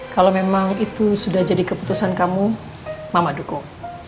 kalau memang itu sudah jadi keputusan kamu mama dukung